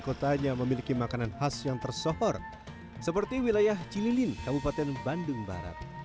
kotanya memiliki makanan khas yang tersohor seperti wilayah cililin kabupaten bandung barat